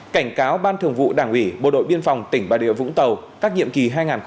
cảnh cáo ban thường vụ đảng ủy bộ đội biên phòng tỉnh bà rịa vũng tàu các nhiệm kỳ hai nghìn một mươi năm hai nghìn hai mươi năm